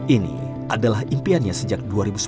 ini adalah impiannya sejak dua ribu sepuluh